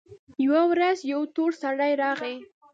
يوه ورځ يو تور سړى راغى.